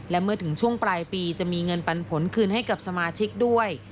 และเมื่อถึงช่วงปลายปีจะมีเงินปันผลคืนให้กับสมาชิกด้วย